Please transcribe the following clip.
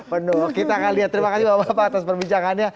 penuh kita akan lihat terima kasih bapak bapak atas perbincangannya